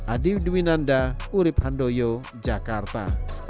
adi dwinanda urib handoyo jakarta